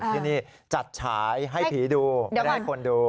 ที่นี่จัดฉายให้ผีดูไม่ได้ให้คนดู